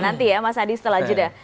nanti ya mas adi setelah jeda